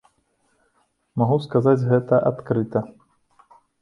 Магу сказаць гэта адкрыта.